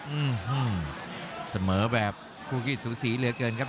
อื้อฮือเสมอแบบครูกิจสูสีเหลือเกินครับ